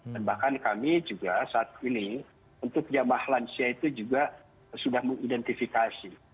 dan bahkan kami juga saat ini untuk jamaah lansia itu juga sudah mengidentifikasi